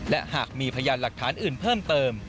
และหากมีพยานหลักฐานอื่นเพิ่มเติม